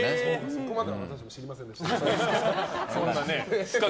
そこまでは知りませんでした。